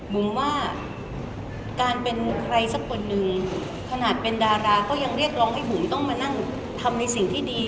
บุ๋มว่าการเป็นใครสักคนหนึ่งขนาดเป็นดาราก็ยังเรียกร้องให้บุ๋มต้องมานั่งทำในสิ่งที่ดี